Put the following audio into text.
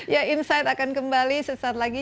ya insight akan kembali sesaat lagi